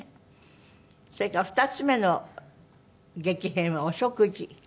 それから２つ目の激変はお食事？